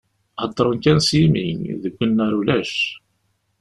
Heddren kan s yimi, deg unnar ulac!